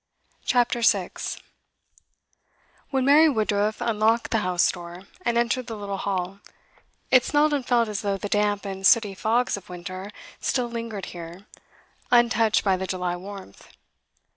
CHAPTER 6 When Mary Woodruff unlocked the house door and entered the little hall, it smelt and felt as though the damp and sooty fogs of winter still lingered here, untouched by the July warmth.